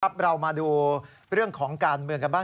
เรามาดูเรื่องของการเมืองกันบ้าง